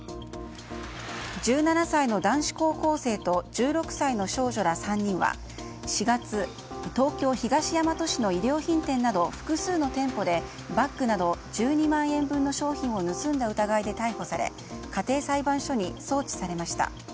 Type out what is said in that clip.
１７歳の男子高校生と１６歳の少女ら３人は４月、東京・東大和市の衣料品店など複数の店舗でバッグなど１２万円分の商品を盗んだ疑いで逮捕され家庭裁判所に送致されました。